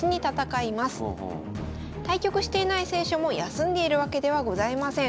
対局していない選手も休んでいるわけではございません。